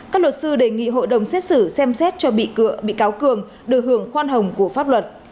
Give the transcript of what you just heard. các luật sư đề nghị hội đồng xét xử xem xét cho bị cáo cường đưa hưởng khoan hồng của pháp luật